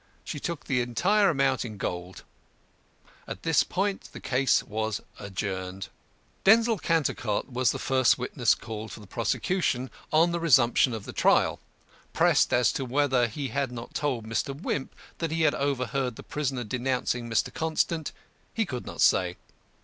She took the entire amount in gold. At this point the case was adjourned. DENZIL CANTERCOT was the first witness called for the prosecution on the resumption of the trial. Pressed as to whether he had not told Mr. Wimp that he had overheard the prisoner denouncing Mr. Constant, he could not say.